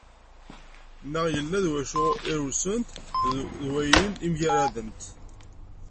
Neɣ yella deg wacu irewsent, d wayen i mgaradent.